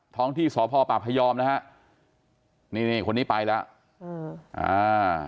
ท้องที่สพปพยอมนะฮะนี่นี่คนนี้ไปแล้วอืมอ่า